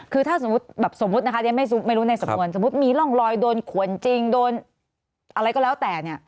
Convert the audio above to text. คือถ้าสมมุตินะคะยังไม่รู้ในสมวนสมมุติมีร่องรอยโดนขวนจริงโดนอะไรก็แล้วแต่เนี่ย